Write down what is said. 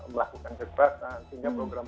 melakukan kekerasan sehingga program